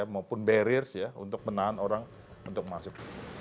maupun barriers ya untuk menahan orang untuk masuk